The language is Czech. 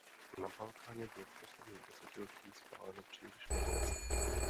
Na Balkáně bylo v posledním desetiletí spáleno příliš mnoho vesnic.